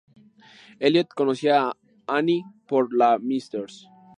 Elliot conocía a Anne por la Mrs.